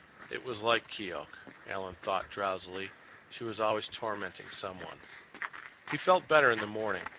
It was like Keok, Alan thought drowsily—she was always tormenting someone. He felt better in the morning.